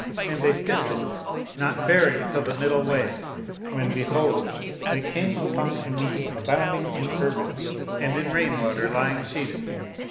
And they stinted not faring till the middle way, when behold, they came upon a mead abound ing in herbage and in rain water lying sheeted.